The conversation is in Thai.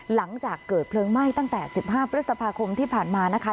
หลังจากเกิดเพลิงไหม้ตั้งแต่๑๕พฤษภาคมที่ผ่านมานะคะ